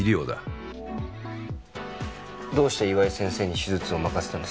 どうして岩井先生に手術を任せたんですか？